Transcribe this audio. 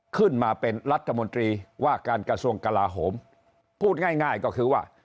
ขึ้นมาเป็นรัฐมนตรีว่าการกระทรวงกลาโหมพูดง่ายง่ายก็คือว่า